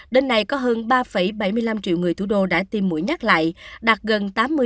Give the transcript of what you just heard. đến nay có hơn ba bảy mươi năm triệu người thủ đô đã tiêm mũi nhắc lại đạt gần tám mươi